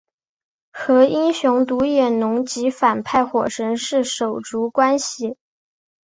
和英雄独眼龙及反派火神是手足关系。